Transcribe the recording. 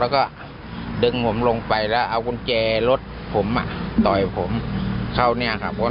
แล้วก็ดึงผมลงไปแล้วเอากุญแจรถผมอ่ะต่อยผมเข้าเนี่ยครับ